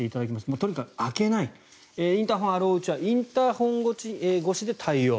とにかく開けないインターホンがあるうちはインターホン越しで対応。